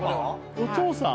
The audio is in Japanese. お父さん？